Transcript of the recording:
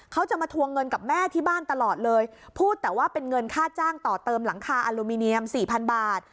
เขาจะมาทวงเงินกับแม่ที่บ้านตลอดเลยพูดแต่ว่าเป็นเงินค่าจ้างต่อเติมหลังคาอลูมิเนียมสี่พันบาท